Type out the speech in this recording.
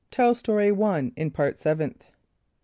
(Tell Story 1 in Part Seventh.)